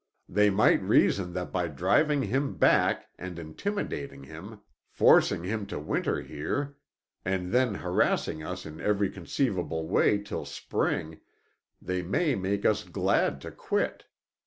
They might reason that by driving him back and intimidating him, forcing him to winter here, and then harassing us in every conceivable way till spring, they may make us glad to quit.